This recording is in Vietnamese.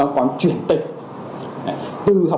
nó còn chuyển tịch